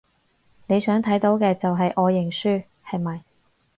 你想睇到嘅就係我認輸，係咪？